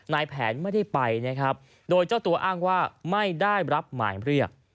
นายแผนไม่ได้ไปนะครับโดยเจ้าตัวอ้างว่าไม่ได้รับหมายเรียก